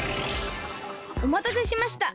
おまたせしました。